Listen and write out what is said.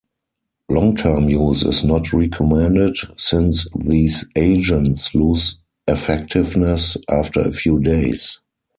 Long-term use is not recommended, since these agents lose effectiveness after a few days.